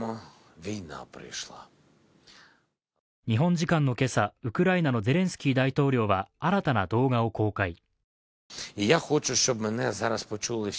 日本時間の今朝、ウクライナのゼレンスキー大統領は新たな動画を公開。